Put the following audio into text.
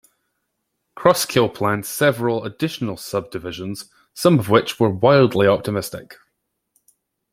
Crosskill planned several additional subdivisions, some of which were wildly optimistic.